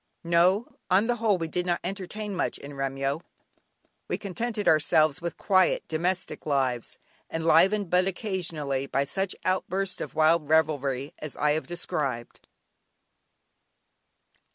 No! On the whole we did not "entertain" much in Remyo; we contented ourselves with quiet, domestic lives, enlivened but occasionally by such outbursts of wild revelry as I have described.